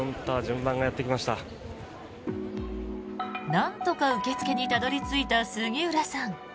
なんとか受付にたどり着いた杉浦さん。